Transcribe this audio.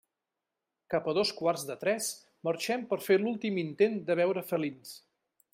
Cap a dos quarts de tres, marxem per fer l'últim intent de veure felins.